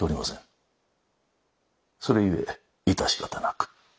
それゆえ致し方なく。